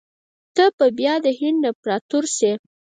ته به بیا د هند امپراطور سې.